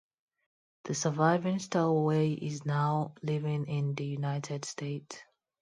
The surviving stowaway is now living in the United States.